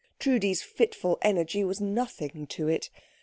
Trudi's fitful energy was nothing to it.